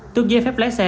tương dây phép lái xe